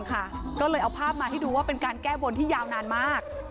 ก็เลยเอาภาพมาให้ดูว่าเป็นการแก้บนที่ยาวนานมาก